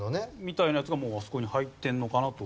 みたいなやつがもうあそこに入ってるのかなと。